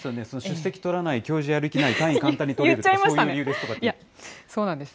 出席取らない、教授やる気ない、単位簡単に取れそうなんです。